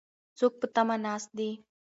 څوک په تمه ناست دي؟